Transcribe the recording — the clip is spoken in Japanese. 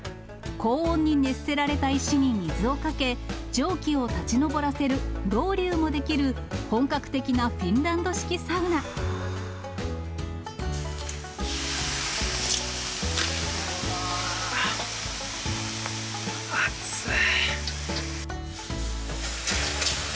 高温に熱せられた石に水をかけ、蒸気を立ち上らせるロウリュウもできる、本格的なフィンランうわー、熱い。